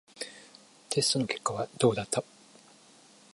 テストの結果はどうだった？